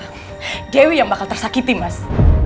kalau enggak dewi yang bakal tersakiti mas